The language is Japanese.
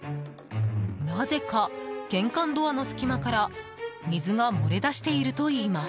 なぜか玄関ドアの隙間から水が漏れ出しているといいます。